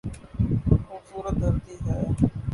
خوبصورت دھرتی ہے۔